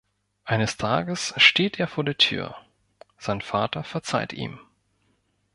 Eines Tages steht er vor der Tür, sein Vater verzeiht ihm.